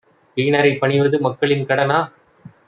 வீணரைப் பணிவது மக்களின் கடனா?